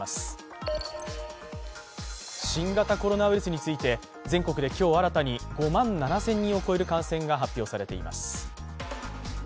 新型コロナウイルスについて全国で今日、新たに５万７０００人を超える感染が発表されています。